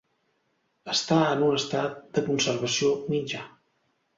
Està en un estat de conservació mitjà.